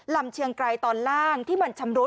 เชียงไกรตอนล่างที่มันชำรุด